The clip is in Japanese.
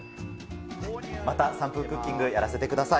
また３分クッキングやらせてください。